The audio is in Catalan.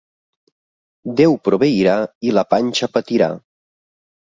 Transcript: Déu proveirà i la panxa patirà.